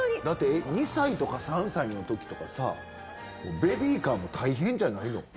だって２歳とか、３歳のときとかさ、ベビーカーも大変じゃないの？